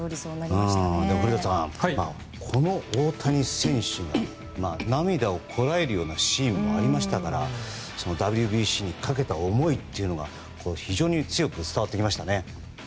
古田さん、この大谷選手の涙をこらえるようなシーンもありましたからＷＢＣにかけた思いというのが非常に強く伝わってきましたね。